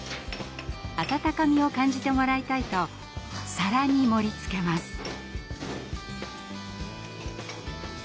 温かみを感じてもらいたいと皿に盛りつけます。